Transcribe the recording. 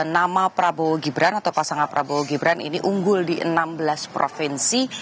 nama prabowo gibran atau pasangan prabowo gibran ini unggul di enam belas provinsi